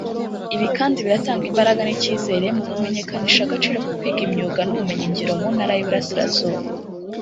Ibi kandi biratanga imbaraga n’icyizere mu kumenyekanisha agaciro ko kwiga imyuga n’ubumenyingiro mu Ntara y’Iburasirazuba